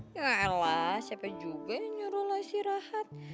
ya alah siapa juga yang nyuruh lah istirahat